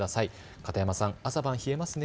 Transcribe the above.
片山さん、朝晩冷えますね。